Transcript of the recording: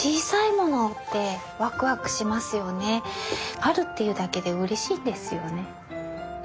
あるっていうだけでうれしいんですよね。